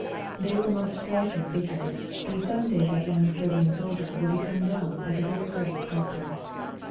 They were most striking figures, and some day that young Serbian soldier will become known as a very great sculptor.